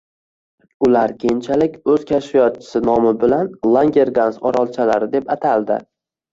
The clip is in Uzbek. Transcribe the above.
Ular keyinchalik o‘z kashfiyotchisi nomi bilan “Langergans orolchalari” deb ataldi